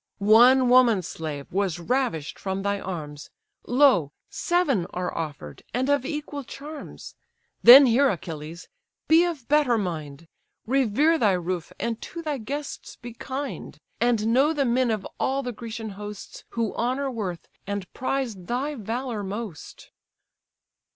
One woman slave was ravish'd from thy arms: Lo, seven are offer'd, and of equal charms. Then hear, Achilles! be of better mind; Revere thy roof, and to thy guests be kind; And know the men of all the Grecian host, Who honour worth, and prize thy valour most."